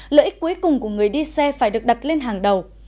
lợi ích cuối cùng của người đi xe phải được đặt lên hàng đầu